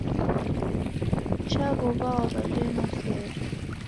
Chaw'ow'a waghalie na sere